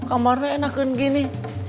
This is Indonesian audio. kamarnya enakin gini